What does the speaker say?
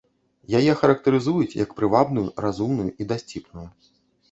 Яе характарызуюць, як прывабную, разумную і дасціпную.